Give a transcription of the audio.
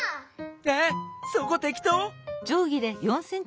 えっそこてきとう？